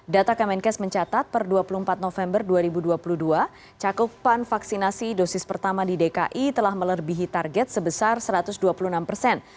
data kemenkes mencatat per dua puluh empat november dua ribu dua puluh dua cakupan vaksinasi dosis pertama di dki telah melebihi target sebesar satu ratus dua puluh enam persen